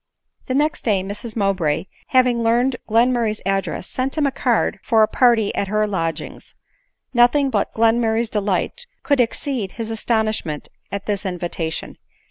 The next day Mrs Mowbray, having learned Glenmur ray's address, sent him a card for a party at her lodgings. Nothing but Glenmurray's delight could exceed his aston ishment at this invitation.